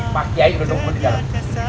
pake air nunggu di dalam